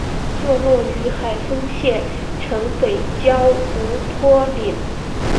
坐落于海丰县城北郊五坡岭。